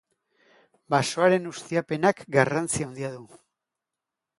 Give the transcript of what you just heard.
Basoaren ustiapenak garrantzi handia du.